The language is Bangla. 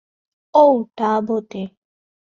ও, তা বটে।